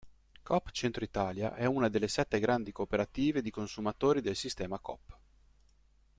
Coop Centro Italia è una delle sette grandi cooperative di consumatori del sistema Coop.